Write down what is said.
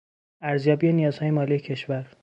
ارزیابی نیازهای مالی کشور